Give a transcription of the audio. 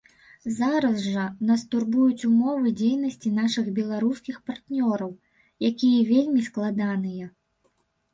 Зараз жа нас турбуюць умовы дзейнасці нашых беларускіх партнёраў, якія вельмі складаныя.